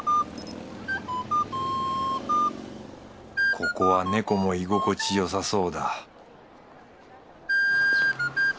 ここはネコも居心地よさそうだ